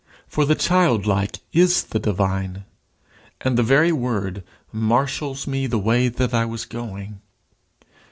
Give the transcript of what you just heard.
For the childlike is the divine, and the very word "marshals me the way that I was going."